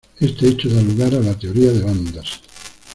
Este hecho da lugar a la teoría de bandas.